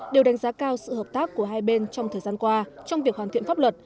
đều đánh giá cao sự hợp tác của hai bên trong thời gian qua trong việc hoàn thiện pháp luật